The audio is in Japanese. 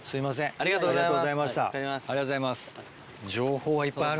ありがとうございます。